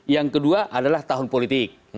yang kedua adalah tahun politik